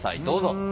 どうぞ。